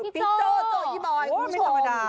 ปีเจ้อโจ้ยบอยคุณผู้ชม